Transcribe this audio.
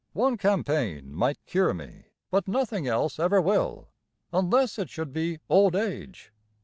One campaign might cure me, but nothing else ever will, unless it should be old age.